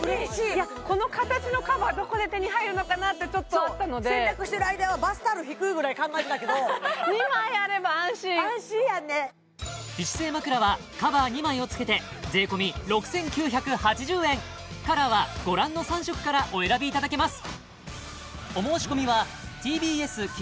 いやこの形のカバーどこで手に入るのかな？ってちょっとあったので洗濯してる間はバスタオル敷くぐらい考えてたけど２枚あれば安心安心やね美姿勢まくらはカバー２枚を付けて税込６９８０円カラーはご覧の３色からお選びいただけます